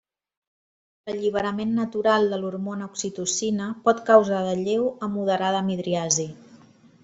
L'alliberament natural de l'hormona oxitocina pot causar de lleu a moderada midriasi.